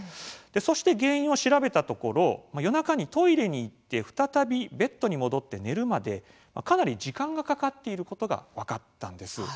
そして原因を調べたところ夜中にトイレに行って再びベッドに戻って寝るまでかなり時間がかかっていることが分かったんです。